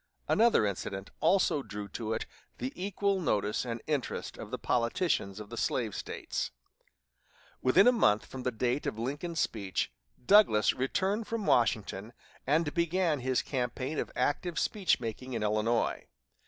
Another incident also drew to it the equal notice and interest of the politicians of the slave States. Within a month from the date of Lincoln's speech, Douglas returned from Washington and began his campaign of active speech making in Illinois.